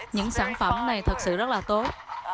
những sản phẩm này thật sự rất là tốt